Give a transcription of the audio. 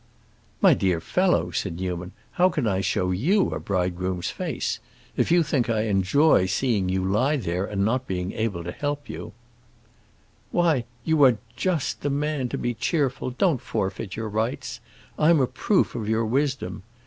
"My dear fellow," said Newman, "how can I show you a bridegroom's face? If you think I enjoy seeing you lie there and not being able to help you"— "Why, you are just the man to be cheerful; don't forfeit your rights! I'm a proof of your wisdom.